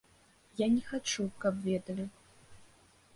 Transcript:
Я не хачу, каб ведалі.